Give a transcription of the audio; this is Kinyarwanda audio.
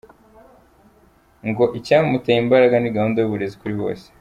Ngo icyamuteye imbaraga ni gahunda y’uburezi kuri bose.